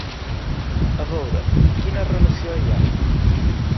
A veure, quina relació hi ha?